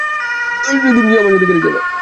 সে দিনে আমার সাথে গাড়ি চালায়।